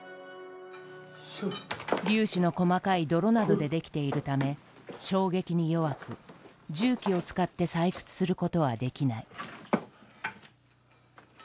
粒子の細かい泥などでできているため衝撃に弱く重機を使って採掘することはできない。